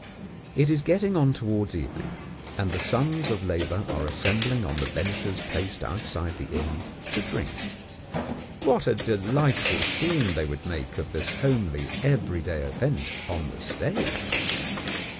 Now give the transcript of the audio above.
It is getting on towards evening, and the sons of labour are assembling on the benches placed outside the inn, to drink. What a delightful scene they would make of this homely everyday event on the stage!